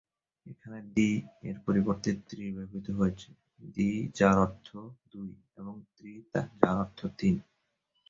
এখানে "দ্বি" এর পরিবর্তে ত্রি ব্যবহৃত হয়েছে, "দ্বি" যার অর্থ দুই এবং "ত্রি" যার অর্থ "তিন"।